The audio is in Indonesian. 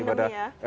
iya pandemi ya